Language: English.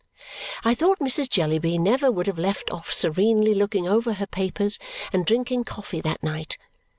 I thought Mrs. Jellyby never would have left off serenely looking over her papers and drinking coffee that night.